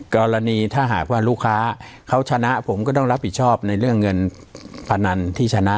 กรณีถ้าหากว่าลูกค้าเขาชนะผมก็ต้องรับผิดชอบในเรื่องเงินพนันที่ชนะ